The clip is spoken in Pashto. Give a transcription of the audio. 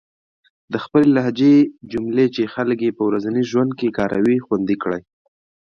د خپلې لهجې جملې چې خلک يې په ورځني ژوند کې کاروي، خوندي کړئ.